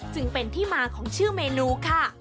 จึงเป็นที่มาของชื่อเมนูค่ะ